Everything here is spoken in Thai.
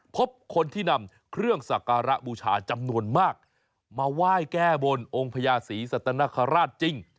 พบคนที่นำเครื่องสักการะบูชาจำนวนมากมาไหว้แก้บนองค์พญาศรีสัตนคราชจริง